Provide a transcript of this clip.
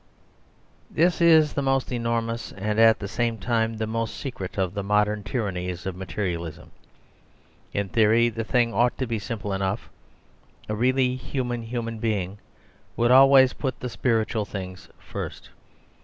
..... This is the most enormous and at the same time the most secret of the modern tyrannies of materialism. In theory the thing ought to be simple enough. A really human human being would always put the spiritual things first.